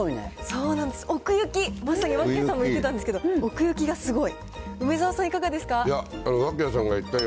そうなんです、奥行き、まさに脇屋さんも言ってたんですけど、奥行きがすごい。